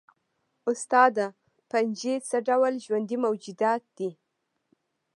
استاده فنجي څه ډول ژوندي موجودات دي